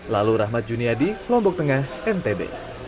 lalu rahmat juniadi lombok tengah ntb